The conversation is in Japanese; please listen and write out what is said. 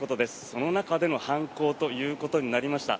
その中での犯行ということになりました。